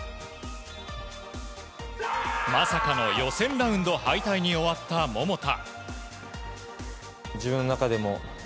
まさかの予選ラウンド敗退に終わった桃田。